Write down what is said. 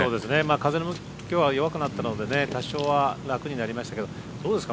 風の向きは弱くなったので多少は楽になりましたけどどうですか？